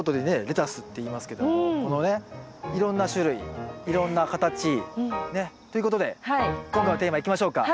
レタスっていいますけどもこのねいろんな種類いろんな形ということで今回のテーマいきましょうか。